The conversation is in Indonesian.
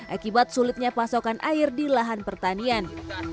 akibat sulitnya pasokan air di lahan pertanian